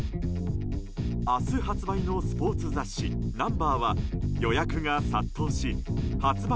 明日発売のスポーツ雑誌「Ｎｕｍｂｅｒ」は予約が殺到し発売